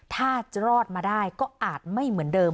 ถ้ารอดมาได้ก็อาจไม่เหมือนเดิม